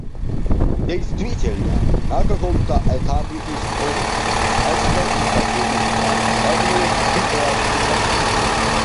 Действительно, на каком-то этапе истории каждая из соседних стран оказывалась в ситуации конфликта.